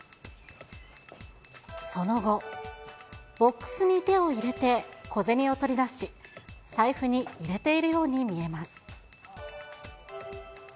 その後、ボックスに手を入れて、小銭を取り出し、財布に入れているように見えます。